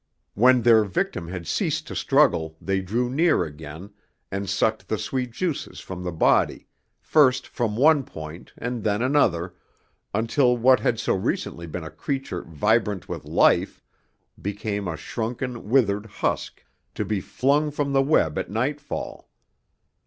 When their victim had ceased to struggle, they drew near again, and sucked the sweet juices from the body, first from one point and then another, until what had so recently been a creature vibrant with life became a shrunken, withered husk to be flung from the web at nightfall.